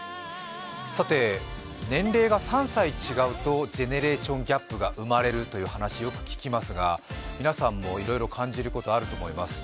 さて、年齢が３歳違うとジェネレーションギャップが生まれるという話、よく聞きますが皆さんもいろいろ感じることあると思います。